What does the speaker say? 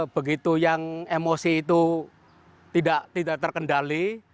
begitu yang emosi itu tidak terkendali